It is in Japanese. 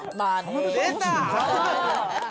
出た。